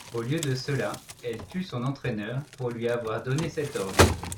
Au lieu de cela, elle tue son entraîneur pour lui avoir donné cet ordre.